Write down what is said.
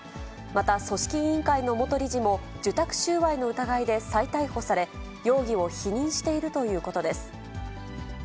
また組織委員会の元理事も、受託収賄の疑いで再逮捕され、容疑を否認しているということです。